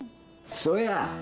そや。